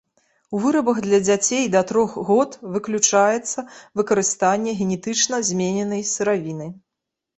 У вырабах для дзяцей да трох год выключаецца выкарыстанне генетычна змененай сыравіны.